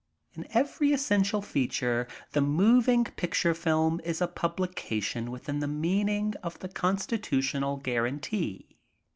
In every essential feature the moving picture film is a publication within the meaning of the constitu tional guarantee.